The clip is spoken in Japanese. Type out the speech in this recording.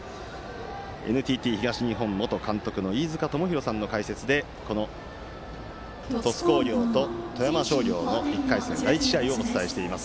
ＮＴＴ東日本元監督の飯塚智広さんの解説でこの鳥栖工業と富山商業の１回戦第１試合をお伝えしています。